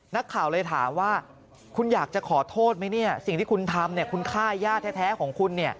นักข่าวเลยถามว่าคุณอยากจะขอโทษไหมเนี่ยสิ่งที่คุณทำคุณฆ่าย่าแท้ของคุณ